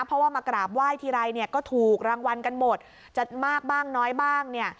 เพราะว่ามากราบไหว้ทีไรเนี่ยก็ถูกรางวัลกันหมดจะมากบ้างน้อยบ้างเนี่ย